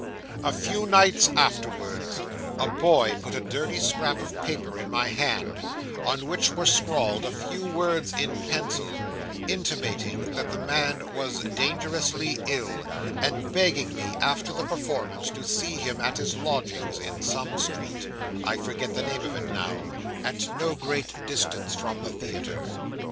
'A few nights afterwards, a boy put a dirty scrap of paper in my hand, on which were scrawled a few words in pencil, intimating that the man was dangerously ill, and begging me, after the performance, to see him at his lodgings in some street I forget the name of it now at no great distance from the theatre.